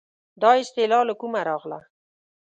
دا اصطلاح له کومه راغله.